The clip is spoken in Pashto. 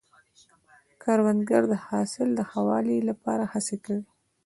کروندګر د حاصل د ښه والي لپاره هڅې کوي